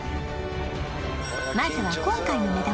まずは今回の目玉